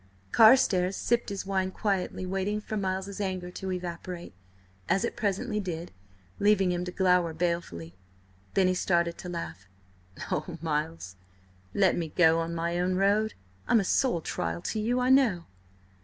Carstares sipped his wine quietly, waiting for Miles' anger to evaporate, as it presently did, leaving him to glower balefully. Then he started to laugh. "Oh, Miles, let me go my own road! I'm a sore trial to you, I know."